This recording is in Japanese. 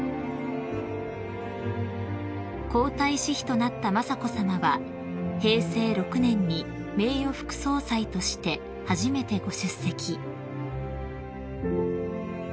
［皇太子妃となった雅子さまは平成６年に名誉副総裁として初めてご出席］